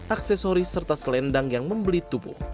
aksesori serta selendang yang membeli tubuh